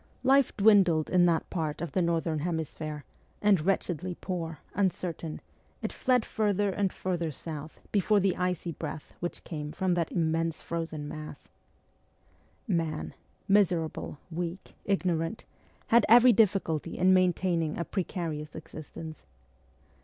Life dwindled in that c 2 20 MEMOIRS OF A REVOLUTIONIST part of the northern hemisphere, and, wretchedly poor, uncertain, it fled further and further south before the icy breath which came from that immense frozen mass. Man miserable, weak, ignorant had every difficulty in maintaining a precarious existence.